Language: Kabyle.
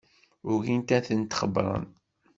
Ugin ad tent-xebbren.